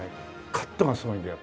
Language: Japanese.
カットがすごいんだよ